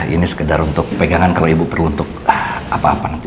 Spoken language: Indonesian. ini sekedar untuk pegangan kalau ibu perlu untuk apa apa nanti